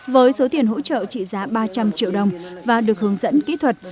với số tiền hỗ trợ trị giá ba trăm linh triệu đồng và được hướng dẫn kỹ thuật